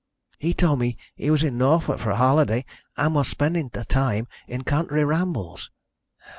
He told me he was in Norfolk for a holiday, and was spending the time in country rambles.